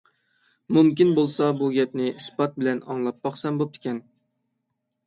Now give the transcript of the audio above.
مۇمكىن بولسا، بۇ گەپنى ئىسپات بىلەن ئاڭلاپ باقسام بوپتىكەن.